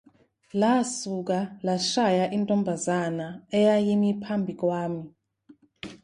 Lasuka lashaya intombazana eyayimi phambi kwami.